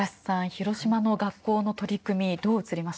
広島の学校の取り組みどう映りましたか？